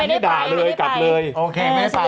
ไม่ได้ไปไม่ได้ไปกลับเลยโอเคไม่ได้ไป